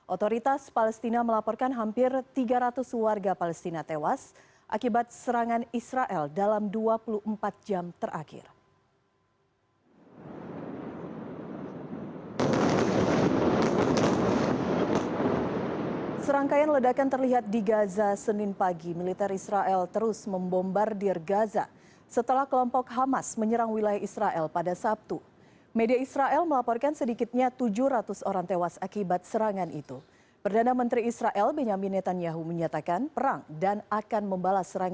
otoritas palestina melaporkan hampir tiga ratus warga palestina tewas akibat serangan israel dalam dua puluh empat jam terakhir